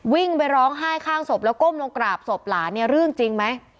วิ่งไปร้องไห้ข้างศพแล้วก้มลงกราบศพหลานเนี่ยเรื่องจริงไหม